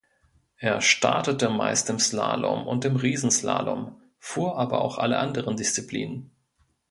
Er startete meist im Slalom und im Riesenslalom, fuhr aber auch alle anderen Disziplinen.